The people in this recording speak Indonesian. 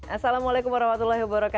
assalamualaikum wr wb